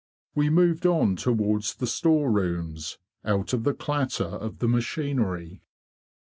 We moved on towards the store rooms, out of the clatter of the machinery.